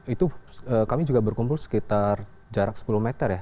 itu kami juga berkumpul sekitar jarak sepuluh meter ya